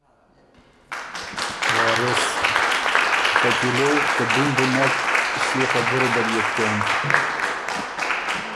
وارث: شکیلے! که دی م بُو نک ݭيې خبُره دل يې بو کېم